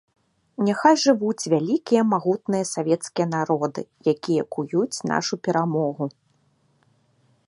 Няхай жывуць вялікія магутныя савецкія народы, якія куюць нашу перамогу!